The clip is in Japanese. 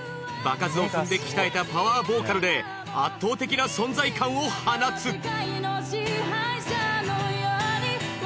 場数を踏んで鍛えたパワーボーカルで圧倒的な存在感を放つ。